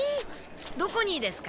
どこにですか？